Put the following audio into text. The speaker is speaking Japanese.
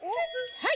はい！